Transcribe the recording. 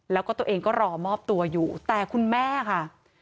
แล้วก็ตัวเองก็รอมอบตัวอยู่แต่คุณแม่ค่ะ